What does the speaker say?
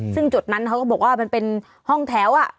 ซึ่งจุดนั้นเขาก็บอกว่ามันเป็นห้องแถว